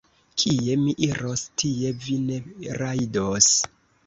Kie mi iros, tie vi ne rajdos.